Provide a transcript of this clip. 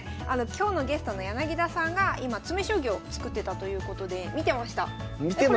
今日のゲストの柳田さんが今詰将棋を作ってたということで見てました。